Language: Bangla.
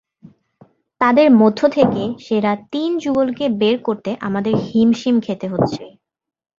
তাঁদের মধ্য থেকে সেরা তিন যুগলকে বের করতে আমাদের হিমশিম খেতে হচ্ছে।